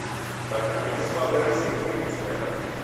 Baina berezkoa berriz ekidin ezina da.